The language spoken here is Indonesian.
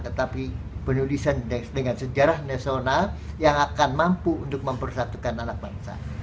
tetapi penulisan dengan sejarah nasional yang akan mampu untuk mempersatukan anak bangsa